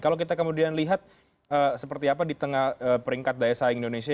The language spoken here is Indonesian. kalau kita kemudian lihat seperti apa di tengah peringkat daya saing indonesia